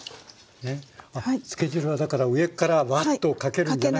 あっつけ汁はだから上からワッとかけるんじゃなくて。